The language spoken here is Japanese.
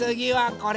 これ？